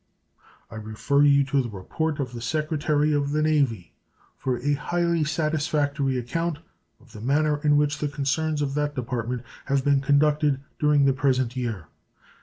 I refer you to the report of the Secretary of the Navy for a highly satisfactory account of the manner in which the concerns of that Department have been conducted during the present year.